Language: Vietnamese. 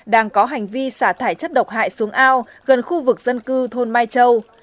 đang có hành vi xả thải chất độc hại xuống ao gần khu vực dân cư thôn mai châu